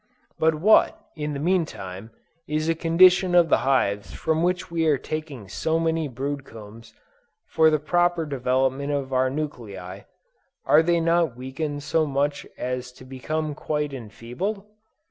But what, in the mean time, is the condition of the hives from which we are taking so many brood combs for the proper development of our nuclei; are they not weakened so much as to become quite enfeebled?